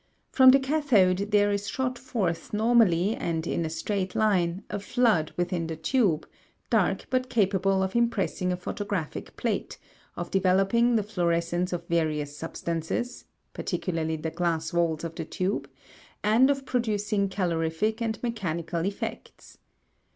From the cathode there is shot forth normally and in a straight line a flood within the tube, dark but capable of impressing a photographic plate, of developing the fluorescence of various substances (particularly the glass walls of the tube), and of producing calorific and mechanical effects.